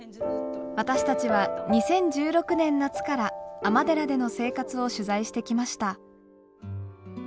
私たちは２０１６年夏から尼寺での生活を取材してきました。